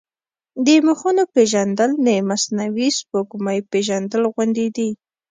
د مخونو پېژندل د مصنوعي سپوږمۍ پېژندل غوندې دي.